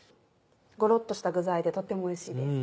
ゴロっとした具材でとってもおいしいです。